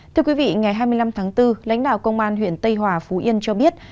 thưa quý vị ngày hai mươi năm tháng bốn lãnh đạo công an huyện tây hòa phú yên cho biết